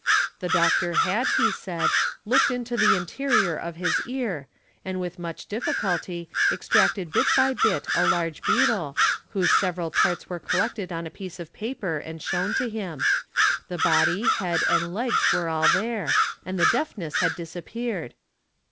The doctor had, he said, looked into the interior of his ear and with much difficulty extracted bit by bit a large beetle, whose _ several parts were collected on a piece of paper and shown to him; the _ body, head, and legs were all there, and the deafness had disappeared.